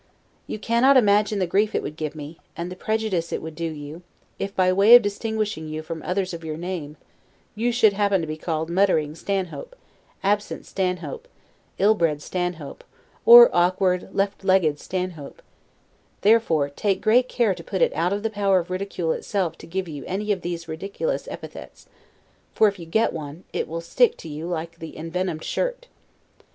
You cannot imagine the grief it would give me, and the prejudice it would do you, if, by way of distinguishing you from others of your name, you should happen to be called Muttering Stanhope, Absent Stanhope, Ill bred Stanhope, or Awkward, Left legged Stanhope: therefore, take great care to put it out of the power of Ridicule itself to give you any of these ridiculous epithets; for, if you get one, it will stick to you, like the envenomed shirt.